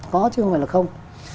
có chứ không phải là không